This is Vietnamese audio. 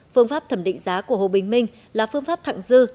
phương pháp thẩm định giá của hồ bình minh là phương pháp thẳng dư